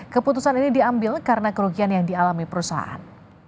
keputusan ini diambil karena kerugian yang dialami perusahaan